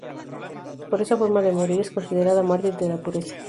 Por esa forma de morir, es considerada mártir de la pureza.